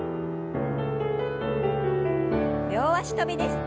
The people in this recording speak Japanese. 両脚跳びです。